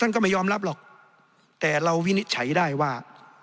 ก็ไม่ยอมรับหรอกแต่เราวินิจฉัยได้ว่า